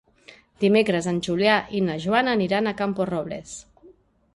Dimecres en Julià i na Joana aniran a Camporrobles.